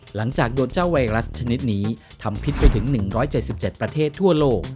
หลังจากโดนเจ้าไวรัสชนิดนี้ทำพิษไปถึง๑๗๗ประเทศทั่วโลก